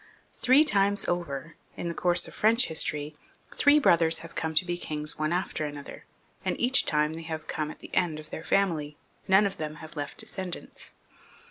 Three times over, in the course of French history, three brothers have come to be kings one after another, and each time they have come at the end of their family ; none of them have left descendants.